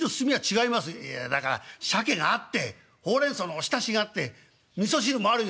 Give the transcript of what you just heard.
「いやだからシャケがあってほうれんそうのお浸しがあってみそ汁もあるよ」。